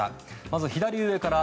まず左上から。